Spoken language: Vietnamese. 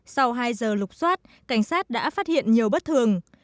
sau hai giờ lục xoát cảnh sát đã phát hiện nhiều bất thường